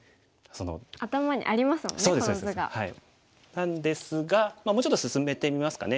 なんですがもうちょっと進めてみますかね。